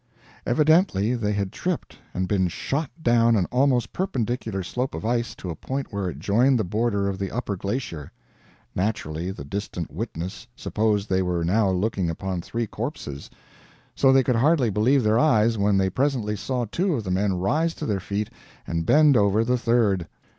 Evidently, they had tripped and been shot down an almost perpendicular slope of ice to a point where it joined the border of the upper glacier. Naturally, the distant witness supposed they were now looking upon three corpses; so they could hardly believe their eyes when they presently saw two of the men rise to their feet and bend over the third.